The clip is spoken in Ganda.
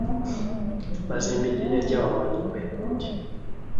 Bazimbide jjaja wabwe enyumba enunji.